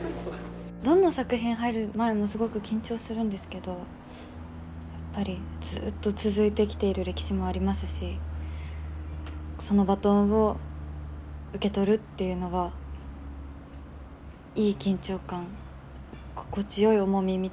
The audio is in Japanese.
どんな作品入る前もすごく緊張するんですけどやっぱりずっと続いてきている歴史もありますしそのバトンを受け取るっていうのはいい緊張感心地よい重みみたいなものがありました。